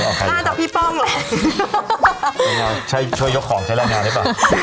น่าจะพี่ป้องเลยช่วยยกของใช้รายงานได้ป่ะ